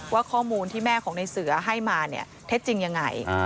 ว่าข้อมูลที่แม่ของในเสือให้มาเนี่ยเท็จจริงยังไง